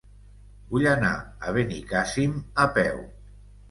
Vull anar a Benicàssim a peu.